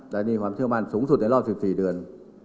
แต่นี่ความเชื่อมั่นสูงสุดในรอบ๑๔เดือน